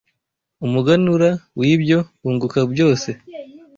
umuganura w’ibyo wunguka byose